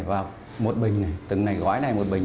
và một bình này từng này gói này một bình